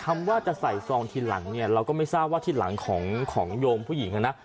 คำว่าจะใส่ซองทีหลังเนี่ยเราก็ไม่ทราบว่าที่หลังของโยมผู้หญิงนะ